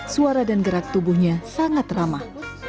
suara dan gerak tubuhnya sangat ramah